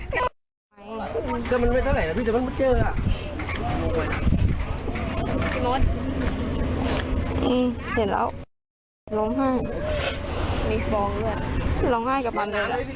อืมเสร็จแล้วล้มไห้มีฟองด้วยล้มไห้กับอันนั้น